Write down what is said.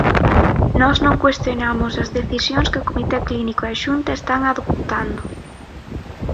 Nós non cuestionamos as decisións que o comité clínico e a Xunta están adoptando.